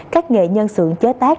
các nghệ nhân xưởng chế tác